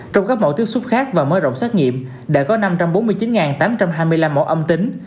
trong các mẫu tiếp xúc khác và mới rộng xét nghiệm đã có năm trăm bốn mươi chín tám trăm hai mươi năm mẫu âm tính